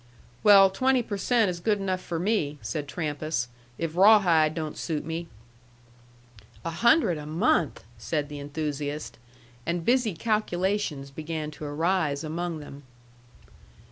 "Well, twenty per cent is good enough for me," said Trampas, "if Rawhide don't suit me." "A hundred a month!" said the enthusiast. And busy calculations began to arise among them.